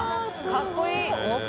かっこいい！